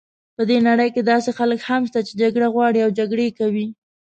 په دې نړۍ کې داسې خلک هم شته چې جګړه غواړي او جګړې کوي.